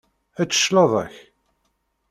Ečč claḍa-k.